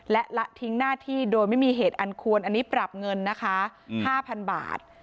และละทิ้งหน้าที่โดยไม่มีเหตุอันควรอันนี้ปรับเงินนะคะ๕๐๐๐บาท